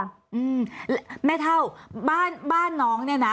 อืมแม่เท่าบ้านบ้านน้องเนี่ยนะ